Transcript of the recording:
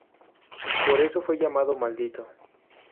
Por eso fue llamado Maldito.